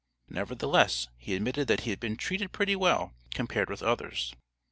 Nevertheless, he admitted that he had been "treated pretty well" compared with others.